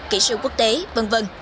kỹ sư quốc tế v v